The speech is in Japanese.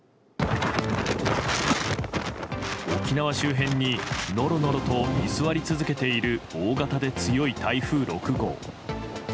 沖縄周辺にノロノロと居座り続けている大型で強い台風６号。